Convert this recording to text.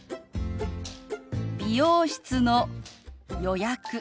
美容室の予約